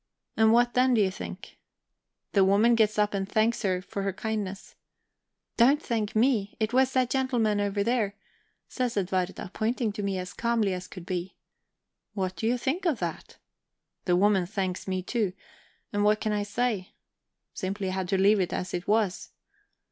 And what then, do you think? The woman gets up and thanks her for her kindness. 'Don't thank me it was that gentleman there,' says Edwarda, pointing to me as calmly as could be. What do you think of that? The woman thanks me too; and what can I say? Simply had to leave it as it was.